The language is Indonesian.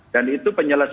dan itu penyelesaiannya